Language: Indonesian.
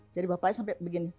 jadi bapaknya sampai begini